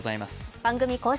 番組公式